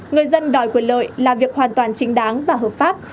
người dân đòi quyền lợi là việc hoàn toàn chính đáng và hợp pháp